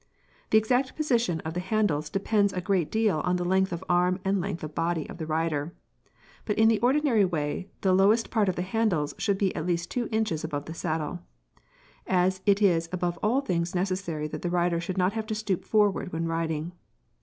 The exact position of the handles depends a great deal on the length of arm and length of body of the rider, but in the ordinary way the lowest part of the handles should be at least two inches above the saddle (see Fig. 7), as it is above all things necessary that the rider shall not have to stoop forward when riding.